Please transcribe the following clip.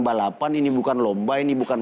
balapan ini bukan lomba ini bukan